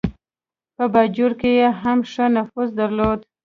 په باجوړ کې یې هم ښه نفوذ درلود.